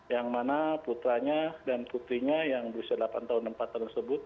yang mana putranya dan putrinya yang berusia delapan tahun empat tahun tersebut